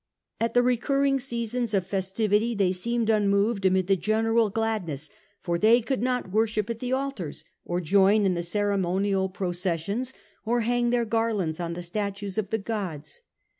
Ai the recurring seasons of festivity they seemed unmoved amid the general gladness, for they could not worship at the altars, or join in the ceremonial processions, or hang their garlands on the statues of the gods.